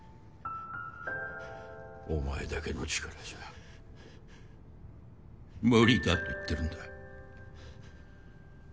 お前だけの力じゃ無理だと言ってるんだ。